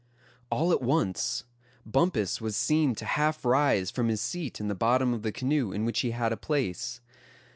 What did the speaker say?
All at once Bumpus was seen to half rise from his seat in the bottom of the canoe in which he had a place.